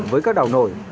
với các đảo nổi